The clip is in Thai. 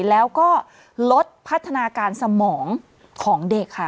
แล้วก็ลดพัฒนาการสมองของเด็กค่ะ